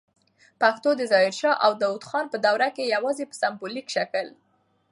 پښتو د ظاهر شاه او داود خان په دوروکي یواځې په سمبولیک شکل